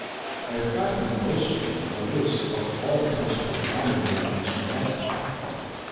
I have got from Bow Street a list of all the principal diamond merchants in Amsterdam.